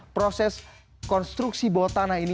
proses konstruksi bawah tanah ini